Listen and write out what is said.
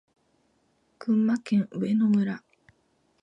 群馬県上野村